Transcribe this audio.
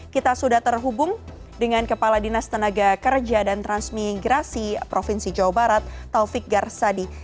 kita sudah terhubung dengan kepala dinas tenaga kerja dan transmigrasi provinsi jawa barat taufik garsadi